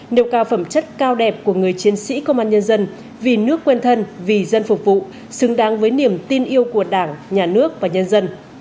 nêu cao phẩm chất cao đẹp của người chiến sĩ công an nhân dân vì nước quên thân vì dân phục vụ xứng đáng với niềm tin yêu của đảng nhà nước và nhân dân